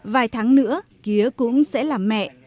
vài tháng nữa kía cũng sẽ là mẹ